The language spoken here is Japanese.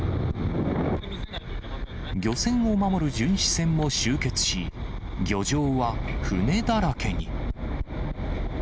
漁船を守る巡視船も集結し、漁場は船だらけに。